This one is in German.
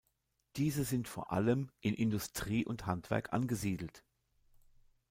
Diese sind vor allem in Industrie und Handwerk angesiedelt.